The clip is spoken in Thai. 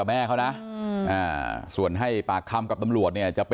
ก็เลยยิงสวนไปแล้วถูกเจ้าหน้าที่เสียชีวิต